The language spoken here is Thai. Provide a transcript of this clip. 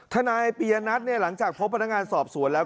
นายปียนัทเนี่ยหลังจากพบพนักงานสอบสวนแล้ว